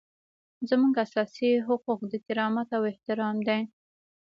زموږ اساسي حق د کرامت او احترام دی.